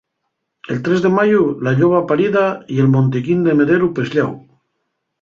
El tres de mayu, la lloba parida y el montiquín de Mederu peslláu.